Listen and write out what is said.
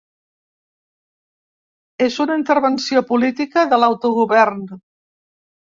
És una intervenció política de l’autogovern.